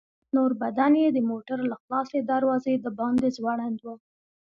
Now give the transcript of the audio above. نور بدن يې د موټر له خلاصې دروازې د باندې ځوړند و.